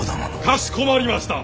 かしこまりました！